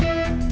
bukan om isloy